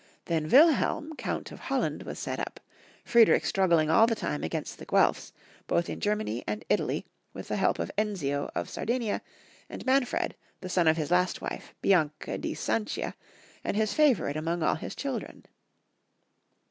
Then Wilhelm, Count of Holland, was set up, Friedrich struggUng all the time against the Guelfs, both in Germany and Italy, with the help of Enzio of Sar dinia, and Manfred, the son of his last wife, Bianca di Sancia, and his favorite among all his children.